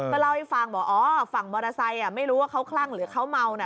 ก็เล่าให้ฟังบอกอ๋อฝั่งมอเตอร์ไซค์ไม่รู้ว่าเขาคลั่งหรือเขาเมานะ